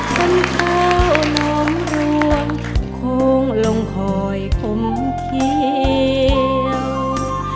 สันเท้าน้ำร่วงคงลงคอยคมเขียว